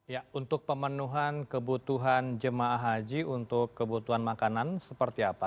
ya untuk pemenuhan kebutuhan jemaah haji untuk kebutuhan makanan seperti apa